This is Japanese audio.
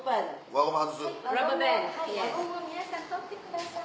輪ゴムを皆さん取ってください。